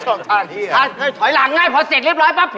ชอบช่างนี่